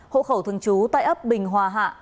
hộ khẩu thường trú tại ấp bình hòa hạ